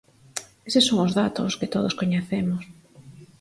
Eses son os datos que todos coñecemos.